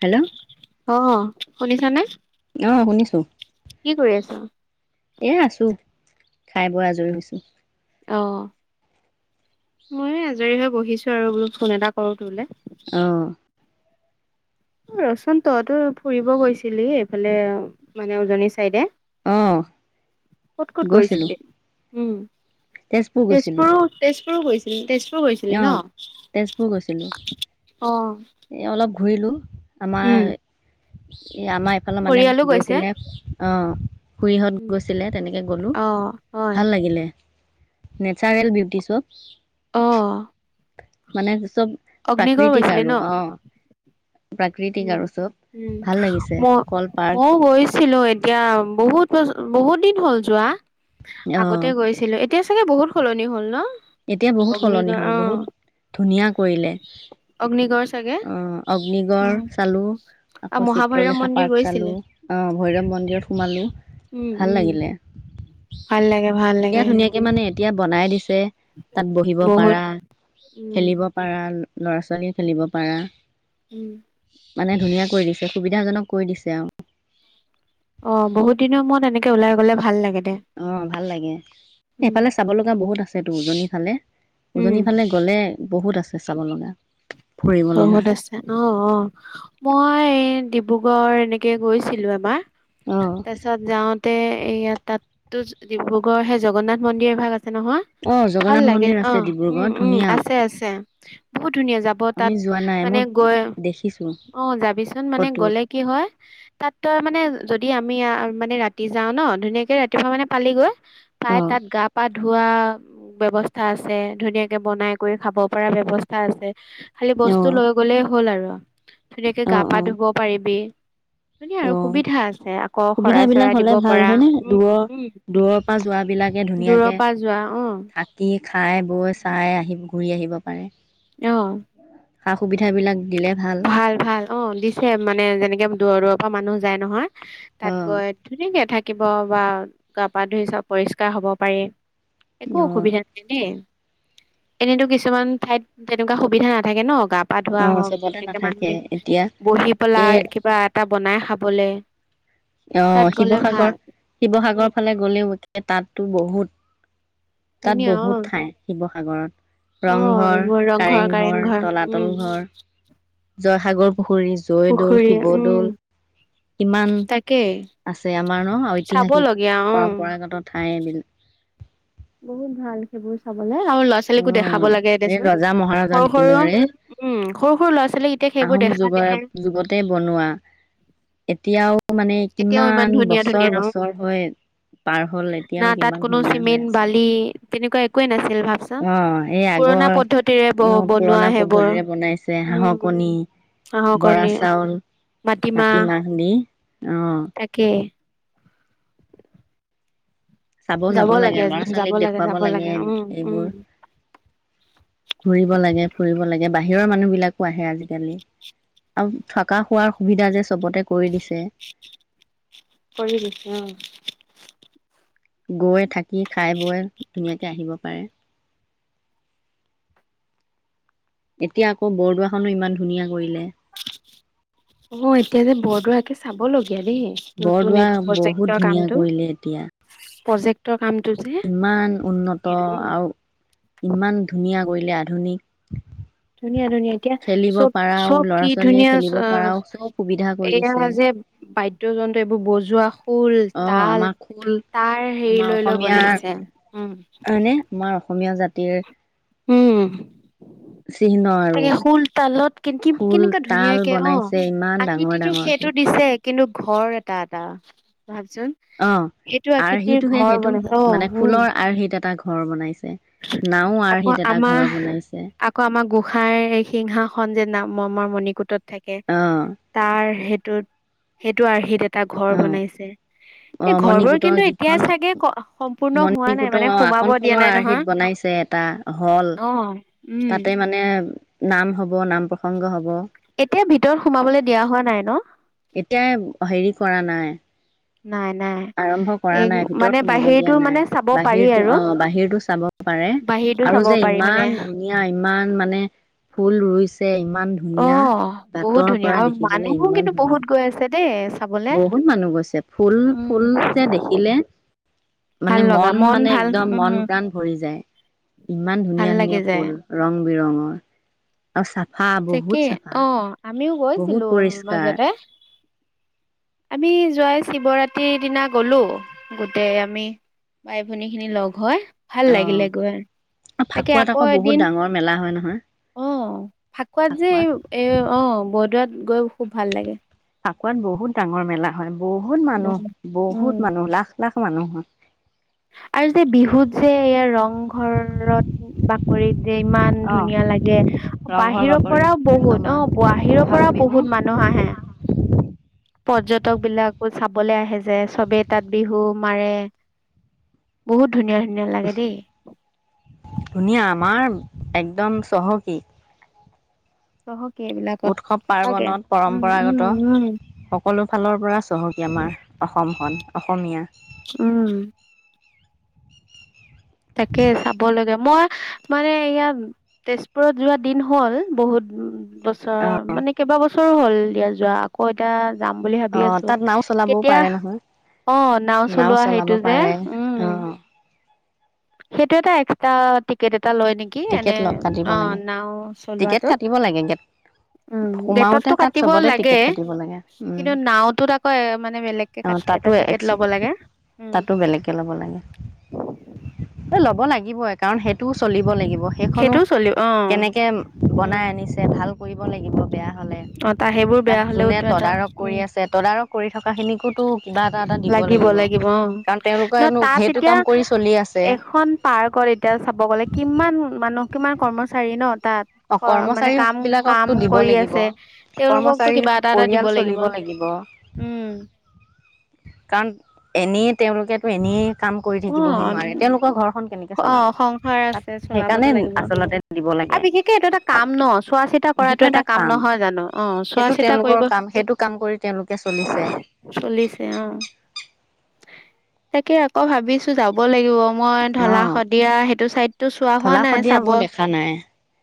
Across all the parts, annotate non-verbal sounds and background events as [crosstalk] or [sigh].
Hello আহ শুনিছানে ত কি কৰি আছা এ আছো খাই বৈ আজৰি হৈছো অ ময় আজৰি হৈ বহিছো আৰু বোলো ফোন এটা কৰো তোৰলে আহ অ ৰসুন তহতো ফুৰিব গৈছিলি এইফালে মানে উজনি চাইডে অ ক'ত ক'ত গৈছিলো গৈছিলি উম তেজপুৰ তেজপুৰ হৈছিল তেজ ছিলি অ ন তেজপুৰ গৈছিলো অ ঘূৰিলোঁ উম আমাৰ [unintelligible] এই আমাৰ এইফালে মানে পৰিয়ালো গৈছে গৈছিলে। অঁ উম খুুৰীহঁত গৈছিলে তেনেকে গলো অ হয় ভাল লাগিলে নেচাৰেল বিউটি চপ। অঁ মানে চব প্ৰাকৃতিক ন আৰু অ প্ৰাকৃতিক উম আৰু চব উম ভাল লাগিছে মই কল পাৰ্ক মই বছ ছিলো এতিয়া বহুত বছ বহুত দিন হ'ল যোৱা অ আগতে গৈছিলো এ এতিয়া চাগে বহুত সলনি হ'ল ন? এতিয়া বহুত সলনি অগ্নিগড় হল বহুত অ', ধুনীয়া কৰিলে। অগ্নিগড় চাগে? অ অগ্নিগ চালো আৰু আকৌ মহাভৈৰৱ চিত্ৰলেখা মন্দিৰ পাৰ্ক চালো গৈছিলে। আহ ভৈৰৱ মন্দিৰত সোমালো উম, ভাল উম, লাগিলে ভাল লাগে, ভাল ধুনীয়া লাগে ধুনীয়াকে মানে এতিয়া বনাই দিছে তাত বহিব বহুত পাৰা উম, খেলিব পাৰা খেলিব পাৰা। ল'ৰা ছোৱালীয়ে খেলিব পাৰা ইম! মানে ধুনীয়া কৰি দিছে সুবিধাজনক কৰি দিছে আৰু! অ বহুত দিনৰ মূৰত এনেকে ওলাই গলে ভাল লাগে। দে। অ ভাল লাগে উম, এইফালে চাব লগা বহুত আছেতো উজনি ফালে উম, উজনিৰ ফালে গ'লে বহুত আছে চাবলগা। বহুত আছে অ অ মই [unintelligible] ডিব্ৰুগড় এনেকে গৈছিলো এবাৰ! অ'। তাপিছত যাওঁতে ইয়া তাত টো ডিব্ৰুগড় হে জগন্নাথ মন্দিৰৰ ভাগ আছে আছে নহয় অ', ভাল জগন্নাথ লাগে মন্দিৰ অ আছে উম ডিব্ৰুগড়ত উম ধুনীয়া, আছে আছে বহুত ধুনীয়া যাব আমি তাত। যোৱা নাই মানে মই গৈ দেখিছো অ যাবিচোন মানে ফটোত, গ'লে কি হয় তাত তই মানে যদি আমি মানে ৰাতি যাওঁ ন ধুনীয়াকে ৰাতিপুৱা মানে পালি গৈ। পাই অ'। তাত গা পা ধোৱা ব্যৱস্থা আছে ধুনীয়াকে বনাই কৰি খাব পৰা ব্যৱস্থা আছে! টো অ', লে গ'লে হ'ল। হ'ল আৰু। ধুনীয়াকে গা অ', পা অ', ধুব পাৰিবি ধুনীয়া অ আৰু সুবিধা আছে আকৌ সুবিধা শৰাই বিলাক চৰাই দিব হলে ভাল পৰা হয় নে উম দূৰৰ উম দূৰৰ পৰা যোৱাবিলাকে দূৰৰ ধুনীয়াকে পৰা যোৱা অ থাকি, খাই, বৈ চাই আহিব পাৰে। ঘূৰি আহিব পাৰে। অ। সা সুবিধা বিলাক ভাল ভাল অ দিছে মানে যেনেকে দূৰৰ দূৰৰ অহ মানুহ যায় নহয়! তাত অ', গৈ ধুনিয়াকে থাকিব বা গা পা ধুই চব পৰিষ্কাৰ হ'ব পাৰি একো অ', অসুবিধা নাই দেই! এনেইতো কিছুমান ঠাইত তেনেকুৱা সুবিধা নাথাকে ন গা পা ধোৱা অ', হওঁক। চবতে ধুনীয়াকে মানুহ নাথাকে খিনি এতিয়া বহি এই পেলাই, কিবা এটা বনাই খাবলে, তাত অহ, গ'লে ভাল 'শিৱসাগৰ, উম শিৱসাগৰৰ ফালে গ'লেও এ, ' তাতটো বহুত তাত বহুত ঠাই, শিৱসাগ, সাগৰত, অহ, 'এইবোৰ, ৰংঘৰ, কাৰেংঘৰ। তলাতল উম, ঘৰ, ' জয়সাগৰ, পুখুৰী, জয়দৌল, উম শিৱদৌল। কিমান তাকেই আছে আমাৰ ন? আৰু ঐতিহাসিক, চাবলগীয়া অ পৰম্পৰাগত ঠাই বিল, বহুত ভাল, সেইবোৰ চাবল, - নাই আৰু ল'ৰা অ ছোৱালীকো দেখাব লাগে এই দেচোন। ৰজা মহাৰজা সৰু-সৰু, দিনৰে উম', সৰু-সৰু ল'ৰা ছোৱালীক এতিয়া সেইবোৰ আহোম যুগৰ দেখালেহে, যুগতে বনোৱা এতিয়াও মানে কিমান বছৰ-বছৰ হয় পাৰ হ'ল, না এতিয়াও তাত কিমান ধুনীয়া হৈ আছে। কোৱে নাচ, অ', এই আগৰ ব অ- বনোৱা পুৰণা সেইবোৰ পদ্ধতিৰে বনাইছে, হাঁহৰ কণী, উম হাঁহৰ কণী বৰা চাউল, মাটিমাহ মাতিমাহ দি অ', তাকে। চাব যাব লাগে, ল'ৰা ছোৱালীক দেখুৱাব লাগে এইবোৰ। ঘুৰিব লাগে, ফুৰিব লাগে বাহ বাহিৰৰ মানুহ বিলাকো আহে আজিকালি, আৰু থকা- খোৱাৰ সুবিধা যে চবতে, কৰি দিছে কৰিদিছে অ, ' গৈ, থাক, কি খায়-বয় ধুনীয়াক, তে আহিব পাৰে। এতিয়া আকৌ, বৰদোৱা খনো ইমান ধুনীয়া কৰিলে। অ, 'এতিয়া যে বৰদোৱা একে চা, চাব লগ দিয়াদেই, নতুন বৰদোৱা এদ বহুত প্ৰজেক্টৰ ধুনীয়া কামটো কৰিলে এতিয়া প্ৰজেক্ট, তোৰ কাম, ইমান উন্নত আৰু ইমান ধুনীয়া। কৰিলে, আধুনিক, ধুনীয়া-ধুনীয়া এতিয়া খেলিব চব, পাৰাও চব ল'ৰা কি ছোৱালীয়ে ধুনিয়া খেলিব অ, পাৰাও চব সুবিধা কৰি এয়া দিছে যে বাদ্যযন্ত্ৰ এইবোৰ বজোৱা, খোল, অ তাল আমাৰ খোল তাৰ হেৰি আমাৰ লৈ লৈ অসমীয়াৰ বনাইছে, উম, ' হয়নে আমাৰ অসমীয়া জাতিৰ, উম। চিহ্ন আৰু তাকে, শোল, তালত কেনকে, খোল কেনেকুৱা তাল ধুনীয়াকে অ, বনাইছে ইমান ডাঙৰ আকৃতিটো ডাঙৰকে সেইটো দিছে। কিন্তু ঘৰ এটা-এটা। অ আৰ্হিটোহে ঘৰ সেইটো বনাইছে অ মানে উম ফুলৰ আৰ্হিত এটা ঘৰ বনাইছো আকৌ আমাৰ বনাইছে আকৌ আমাৰ গোসাঁইৰ এই সিংহাসন যে নামমৰ মণ কোটাত থাকে অ তাৰ সেই ত সেইটো আৰ্হি তেত এটা ঘৰ অ বনাইছে। অ এই ঘৰবোৰ মণিকূটৰ কিন্তু এতিয়া যিখন চাগে ক, সম্পূৰ্ণ হোৱা নাই, মণিকূটৰ মানে সোমাব দিয়া আসনখনৰ নাই আৰ্হিত নহয়। বনাইছে এটা হ'ল অ উম তাতে মানে নাম হ'ব নাম প্ৰসংগ হ'ব। এতিয়া ভিতৰত সোমাবলৈ দিয়া হোৱা নাই ন' এতিয়া হেৰি কৰা নাই নাই নাই আৰম্ভ কৰা এই নাই, মানে ভিতৰত সোমাব দিয়া বাহিৰটো মানে নাই। চাব পাৰি বাহিৰতো আৰু অ', বাহিৰতটো চাব পাৰে বাহিৰটো আৰু চাব যে পাৰি মানে ইমান ধুনীয়া ইমান মানে ফুল ৰুইছে। ইমা ইমান অ ধুনীয়া বহুত বাতৰ ধুনীয়া পৰা আৰু দেখিবলৈ মানুহো ইমান কিন্তু ধুনীয়া বহুত গৈ আছে দেই চাবলে বহুত মানুহ গৈছে। ফুল উম ফুল যে দেখিলে ভাল মানে লগা মন মানে ভাল একদম উম মন প্ৰাণ ভৰি যায় ইমান ভাল ধুনীয়া, ধুনীয়া লাগি যায় ফুল ৰং বিৰঙৰ। অচ্ছা। [inaudible] অ', আমিও বহুত গৈছিলোঁ পৰিষ্কাৰ মাজতে আমি জোৱাই শিৱৰাত্ৰিৰ দিনা গলোঁ গোটেই আমি বাই ভনী খিনি লগ হয়। ভাল লাগিলে গৈ অ তাকে ফাকুৱাত আকৌ বহুত এদিন ডাঙৰ মেলা হয় নহয় অ', ফাকুৱাত যে এ অ', ব গৈ খুব ভাল লাগে। ফাকোৱাত বহুত ডাঙৰ মেলা হয়। বহুত মানুহ বহুত উম বহুত মানুহ লাখ লাখ। মানুহ হয় ঘৰত বাকৰিত যে ইমান অ ধুনীয়া লাগে, ৰংঘৰ বাহিৰৰ বাকৰিত পৰাও বহুত, আমাৰ অ, বাহিৰৰ বহাগ পৰাও বিহু বহুত মানুহ আহে। পৰ্যটক বিলাকো চাবলে আহে যে, চবেই তাত বিহু মাৰে, বহুত ধুনীয়া ধুনীয়া লাগে দেই ধুনীয়া আমাৰ, একদম চহকী। চহক উৎসৱ পাৰ্বনত উম পৰম্পৰাগত, উম সকলো ফালৰ পৰা চহকী আমাৰ অসম। খন। অসমীয়া উম তাকে, চাব লাগে। মই মানে এইয়া, তেজপুৰত যোৱা দিন হ'ল, বহুত উ বছৰ, অ মানে কেইবা বছ ছৰো হ'ল দিয়া যোৱা, আকৌ এতিয়া যাম বুলি ভাবি অ আছোঁ। তাত নাও চলাবও কেতিয়া, পাৰে নহয় অ' নাও চলোৱা চলাব হেইটো যে, পাৰে উম অ সেইটো এটা এক্সট্ৰা টিকেট এটা লয় নেকি এনে টিকেট লগ কাটিব অ লাগে নাও টিকেট চলোৱাটোত কাটিব লাগে গেট উ সোমাওতে গেটতটো তাত কাটিব চবতে লাগে টিকেট কাটিব লাগে উম কিন্তু নাওটোত আকৌ মানে বেলেগকে অ এটা তাতো টিকেট লব লাগে উ তাতো বেলেগকে ল'ব লাগে ল'ব লাগিবই কাৰণ সেইটোও চলিব লাগিব। সেইখনো সেইটোও চলিব অ কেনেকে উম বনাই আনিছে ভাল কৰিব লাগিব বেয়া হলে অ তা সেইবোৰ তাক বেয়া হলেও যোনে এটা তদাৰক উম কৰি আছে তদাৰক কৰি থ লাগিব লাগিব অ কাৰণ ন তেওঁলোকেনো তাত সেইটো এতিয়া কাম কৰি চলি আছে এখন পাৰ্কত এতিয়া চাব গলে কিমান মানুহ কিমান কৰ্মচাৰী ন তাত অ মানে কৰ্মচাৰী কাম কাম বিলাককতো দিব কৰি লাগিব আছে তেওঁলোককতো কৰ্মচাৰীৰ কিবা এটা এটা দিব পৰিয়াল লাগিব চলিব উম। কাৰণ এনেই তেওঁলোকেতো এনেই কাম কৰি অ থাকিবহি নোৱাৰে তেওঁলোকৰ ঘৰখন কেনেকে অ চলাব সংসাৰ আছে তাত সেইকাৰণে আচলতে দিব লাগে। কে এইটো এটা কাম ন চোৱা চিতা কৰাটো এটা কাম নহয় জানো অ চোৱা সেইটো চিতা তেওঁলোকৰ কৰিব কাম সেইটো কাম কৰি তেওঁলোকে চলিছে চলিছে অ তাকে অ ভাবিছো যাব লাগ মই অ ঢলা শদিয়া সেইটো চাইডটো চোৱা হোৱা ঢলা নাই শদিয়া চাব মোৰ দেখা নাই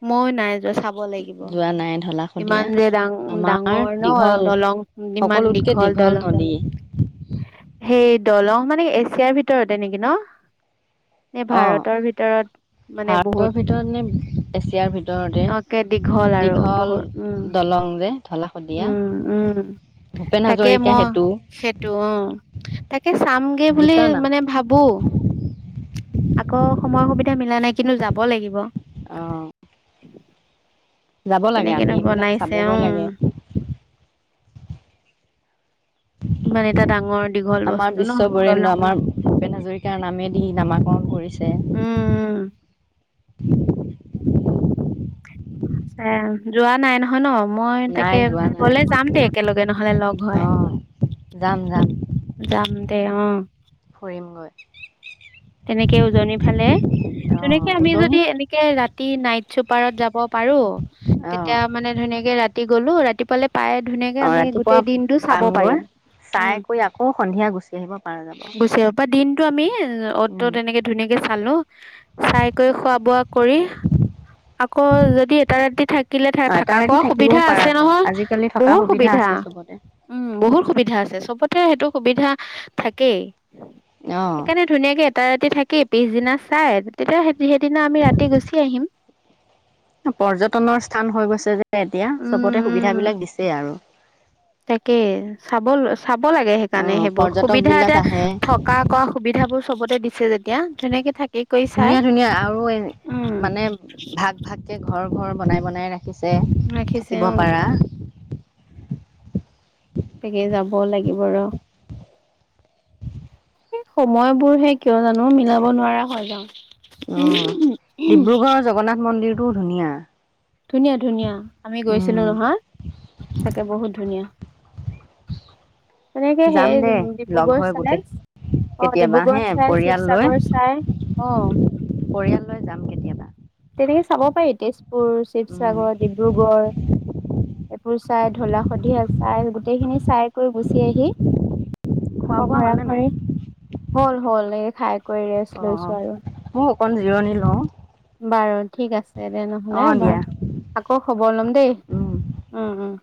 ময়ো নাই চাব লাগিব যোৱা নাই ঢলা ইমান শদিয়া যে ডাং আমাৰ ডাঙৰ ন দীঘল দলং ইমান সকলোতকে দীঘল দলং নদী সেই দলং মানে এছিয়াৰ ভিত ৰতে নেকি ন নে অ ভাৰতৰ ভিতৰত মানে ভাৰতৰ বহুত ভিতৰত নে এছিয়াৰ অকে ভিতৰতে দীঘল আৰু দীঘল বহুত উম দলং যে ঢলা শদিয়া উম উম ভূপেন তাকে হাজৰিকা মই সেতু সেইটো অ তাকে চাম [unintelligible] গে বুলি দুটা নাম মানে ভাবো আকৌ সময় সুবিধা মিলা নাই কিন্তু যাব লাগিব। অ যাব লাগে আমি কেনেকেনো এইবিলাক বনাইছে চাবগৈ উম লাগে। ইমান এটা ডাঙৰ দীঘল আমাৰ বস্তু ন বিশ্ব বৰেণ্য দলং আমাৰ ভূপেন হাজৰিকাৰ নামে দি নামাকৰণ কৰিছে। [inaudible] উম উম এ যোৱা নাই নহয় ন? মই নাই তাকে যোৱা নাই গলে যাম দে একেলগে নহলে লগ অ হয়। যাম যাম যাম দে অ ফুৰিমগৈ তেনেকে উজনিৰ ফালে, তেনেকে অ' আমি যদি উজনিত এনেকে ৰাতি নাই নাইটচোপাৰত যাব পাৰো। তেতিয়া অ' মানে ধুনীয়াকে ৰাতি গলো ৰাতি। ৰাতি পালে, অ' ৰাতিপুৱা পামগৈ পাৰিম উম চাই কৰি আকৌ সন্ধিয়া গুচি আহিব পাৰা যাব। টো আমি। ত উম। তেনেকে ধুনীয়াকে চালো চাই কৰি খোৱা বোৱা কৰি। আকৌ যদি এটা ৰাতি থাকিলে অ' এটা থাকা ৰাতি খোৱা থাকিবও সুবিধা পাৰা আছে যায় নহয়। আজিকালি থকা বহুত সুবিধা আছে চবতে উম বহুত সুবিধা আছে। চবত সেইটো সুবিধা থাকেই। সেইকাৰণে অ' ধুনীয়াকে এটা ৰাতি থাকি থাকি পিছদিনা চাই তেতিয়া সেইদিনা আমি ৰাতি গুচি আহিম। পৰ্যটনৰ স্থান হৈ গৈছে যে এতিয়া। উম, চবতে সুবিধা উম, বিলাক দিছেই আৰু। তাকে চাব। চাব লাগে। সেইকাৰণে অ' সেইবোৰ পৰ্যটক সুবিধা বিলাক এতিয়া আহে থকা খোৱা সুবিধা বোৰ চবতে দি আছে, যেতিয়া ধুনিয়াকে থাক ধুনীয়া-ধুনীয়া আৰু এ মানে ভাগ-ভাগকে ঘৰ। ঘৰ বনাই বনাই ৰাখে। ছে ৰাখিছে থাকিব অ', পাৰা। তাকে যাব লাগিব ৰহ। এই সময়বোৰহে কিয় জানো মিলাব নোৱাৰা হয় যাওঁ। অ' ডিব্ৰুগড়ৰ জগন্নাথ মন্দিৰ টো ধুনীয়া। ধুনীয়া-ধুনীয়া আমি গৈছিলো উম। নহয় তাকে বহুত ধুনীয়া। সেনেকে যাম সেই দে লগ ডিব্ৰুগড় হৈ চালে গোটেই অহ' কেতিয়াবা ডিব্ৰুগড় হে চাই পৰিয়াল লৈ শিৱসাগৰ চাই অহ। পৰিয়াল লৈ যাম কেতিয়াবা তেনেকে চাব পাৰি। তেজ পুৰ, উম শিৱসাগৰ, ডিব্ৰুগড়। এবোৰ চাই ঢলা শদিয়া চাই গোটেইখিনি চাই কৰি গুচি আহি। খোৱা বোৱা হ'ল নে নাই? হল-হল এই খাই। কৰি ৰেষ্ট লৈছো অ', আৰু মোক অ', জিৰণি লওঁ। বাৰু ঠিক আছে তেনেহ'লে অঁ বাৰ দিয়া আকৌ খবৰ ল'ম, দেই উম। উম-উম।